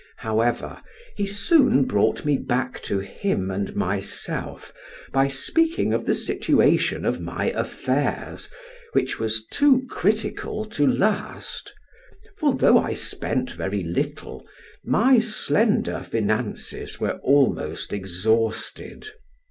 However, he soon brought me back to him and myself, by speaking of the situation of my affairs, which was too critical to last; for, though I spent very little, my slender finances were almost exhausted.